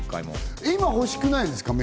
今、免許ほしくないですか？